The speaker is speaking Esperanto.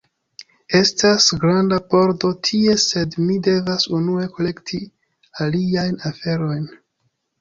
Estas granda pordo tie, sed mi devas unue kolekti aliajn aferojn.